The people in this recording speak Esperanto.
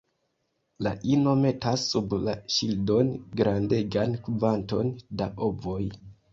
La ino metas sub la ŝildon grandegan kvanton da ovoj.